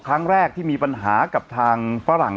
ครั้งแรกที่มีปัญหากับทางฝรั่ง